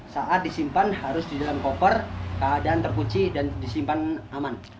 saat disimpan harus di dalam koper keadaan terkunci dan disimpan aman